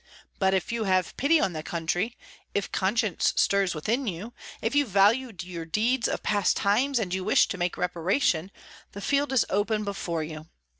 But if you have pity on the country, if conscience stirs within you, if you value your deeds of past times and you wish to make reparation, the field is open before you.